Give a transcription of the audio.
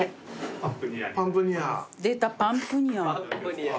出たパンプニア。